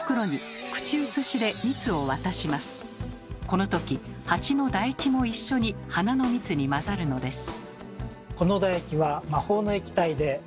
このときハチのだ液も一緒に花の蜜に混ざるのです。